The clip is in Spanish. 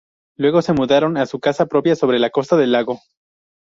Luego se mudaron a su casa propia sobre la costa del lago.